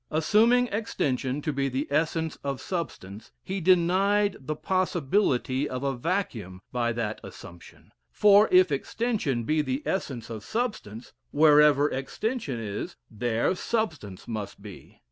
Assuming extension to be the essence of substance, he denied the possibility of a vacuum by that assumption; for if extension be the essence of substance, wherever extension is, there substance must be.